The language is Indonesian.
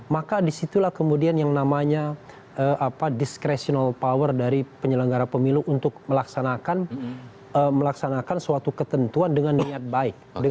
maka disitulah kemudian yang namanya discresional power dari penyelenggara pemilu untuk melaksanakan suatu ketentuan dengan niat baik